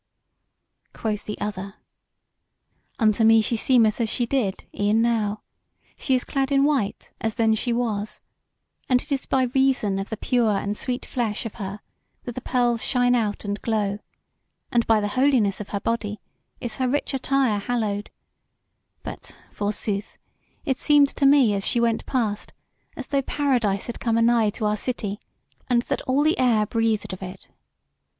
Quoth the other: "Unto me she seemeth as she did e'en now; she is clad in white, as then she was, and it is by reason of the pure and sweet flesh of her that the pearls shine out and glow, and by the holiness of her body is her rich attire hallowed; but, forsooth, it seemed to me as she went past as though paradise had come anigh to our city, and that all the air breathed of it.